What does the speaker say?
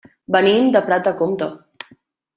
Venim de Prat de Comte.